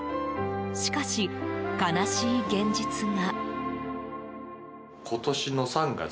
しかし、悲しい現実が。